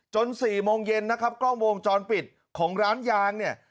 ๔โมงเย็นนะครับกล้องวงจรปิดของร้านยางเนี่ย